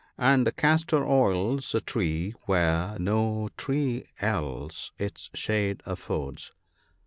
And the castor oits a tree, where no tree else its shade affords.